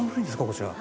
こちら。